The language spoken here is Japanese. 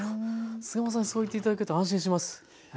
菅又さんにそう言って頂けると安心します。